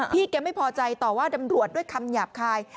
แกไม่พอใจต่อว่าตำรวจด้วยคำหยาบคาย